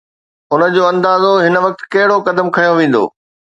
ان جو اندازو هن وقت ڪھڙو قدم کنيو ويندو.